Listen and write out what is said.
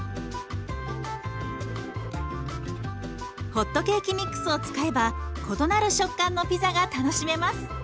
ホットケーキミックスを使えば異なる食感のピザが楽しめます。